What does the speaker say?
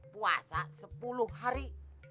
puasa sepuluh hari